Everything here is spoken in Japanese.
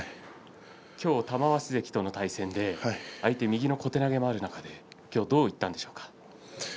今日、玉鷲関との対戦で相手の右の小手投げがある中で今日はどうだったんでしょうか？